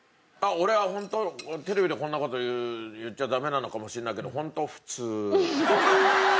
俺はホントテレビでこんな事言っちゃダメなのかもしれないけどホント普通。